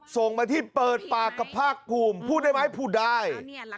ส่งมาที่เปิดปากกับภาคภูมิพูดได้ไหมพูดได้